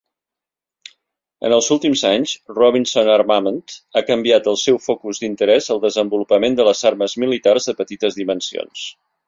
En els últims anys, Robinson Armament ha canviat el seu focus d"interès al desenvolupament de les armes militars de petites dimensions.